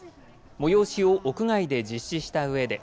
催しを屋外で実施したうえで。